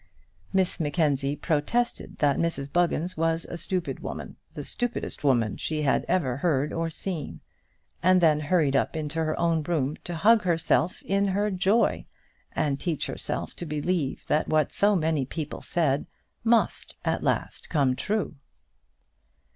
Miss Mackenzie protested that Mrs Buggins was a stupid woman, the stupidest woman she had ever heard or seen; and then hurried up into her own room to hug herself in her joy, and teach herself to believe that what so many people said must at last come true.